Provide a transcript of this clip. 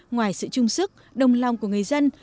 ngoài sự trung sức đồng lòng của người dân